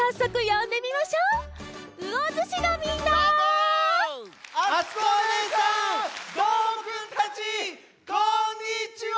わこんにちは！